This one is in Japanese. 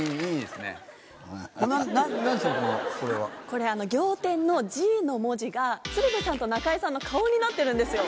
これ『仰天』の「Ｇ」の文字が鶴瓶さんと中居さんの顔になってるんですよ。